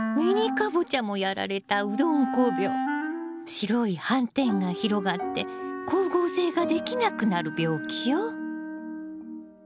白い斑点が広がって光合成ができなくなる病気よ。